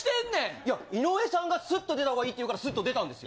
いや、井上さんがすっと出てほうがいいっていうから、すっと出たんですよ。